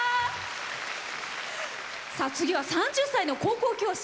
次は、３０歳の高校教師。